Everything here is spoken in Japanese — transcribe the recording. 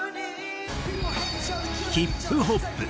ヒップホップ。